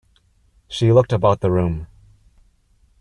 She looked about the room.